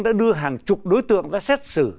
đã đưa hàng chục đối tượng ra xét xử